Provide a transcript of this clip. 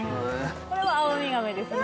これはアオウミガメですね。